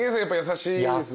優しいんですよ